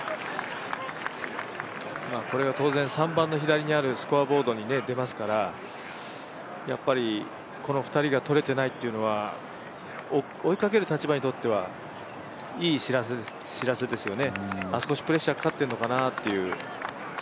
これが当然、３番の左にあるスコアボードに出ますからやっぱりこの２人が取れてないというのは追いかける立場にとっては、いい知らせですよね、少しプレッシャーかかってるのかなという。